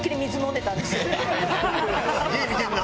すげえ見てんな。